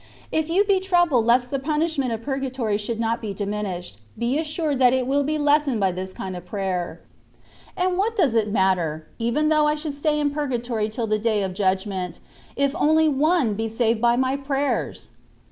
If you be troubled lest the punishment of purgatory should not be diminished, be assured that it wiU be lessened by this kind of prayer. And what does it matter, even though I should stay in pur gatory till the day of judgment, if only one be saved by my prayers